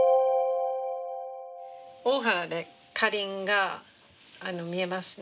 大原でカリンが見えますね